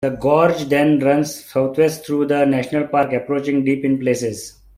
The gorge then runs southwest through the national park, approaching deep in places.